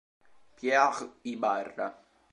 Pierre Ibarra